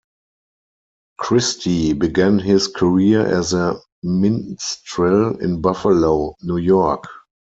Christy began his career as a minstrel in Buffalo, New York.